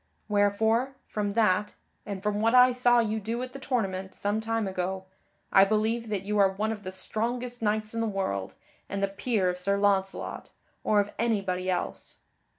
Wherefore, from that, and from what I saw you do at the tournament, some time ago, I believe that you are one of the strongest knights in the world, and the peer of Sir Launcelot, or of anybody else.